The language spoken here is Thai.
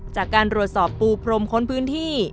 จากการรวดสอบปูพรมค้นพื้นที่